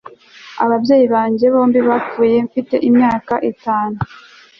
Ababyeyi banjye bombi bapfuye mfite imyaka itanu